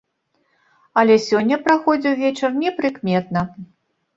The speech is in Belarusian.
Але сёння праходзіў вечар непрыкметна.